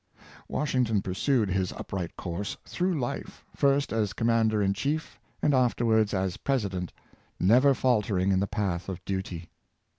'' Washington pursued his upright course through life, first as commander in chief, and afterwards as president, never faltering in the path of duty.